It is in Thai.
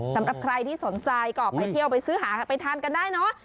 สำหรับใครที่สนใจก็ไปเที่ยวไปซื้อหาไปทานกันได้เนอะ